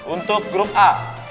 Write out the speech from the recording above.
untuk grup a